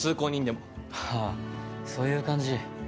ああそういう感じ。